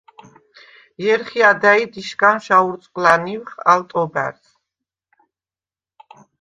ჲერხი ადა̈ჲდ იშგანშვ აურწყვლა̈ნივხ ამ ტობა̈რს.